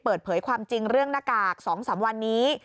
เปิดเผยความจริงเรื่องหน้ากาก๒๓วันนี้